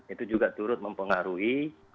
itu juga turut mempengaruhi